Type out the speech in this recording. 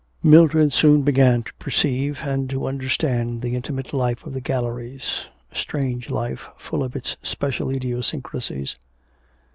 Mildred soon began to perceive and to understand the intimate life of the galleries, a strange life full of its special idiosyncrasies.